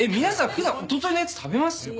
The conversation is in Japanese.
皆さん普段おとといのやつ食べます？